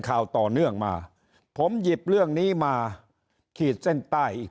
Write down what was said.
ข่าวต่อเนื่องมาผมหยิบเรื่องนี้มาขีดเส้นใต้อีก